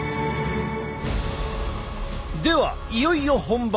ではいよいよ本番。